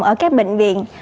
ở các bệnh viện